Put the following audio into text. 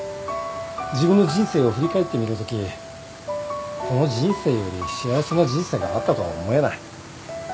自分の人生を振り返ってみたときこの人生より幸せな人生があったとは思えない。